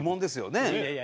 ねえ？